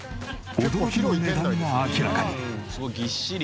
驚きの値段が明らかに。